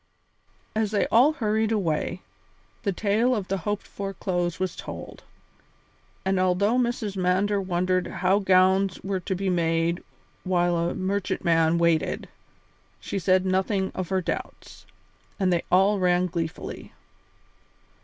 As they all hurried away, the tale of the hoped for clothes was told; and although Mrs. Mander wondered how gowns were to be made while a merchantman waited, she said nothing of her doubts, and they all ran gleefully.